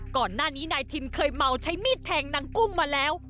ก่อนหน้านี้นายทินเคยเมาใช้มีดแทงนางกุ้งมาแล้ว